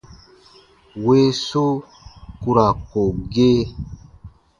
Weesu ku ra ko gee.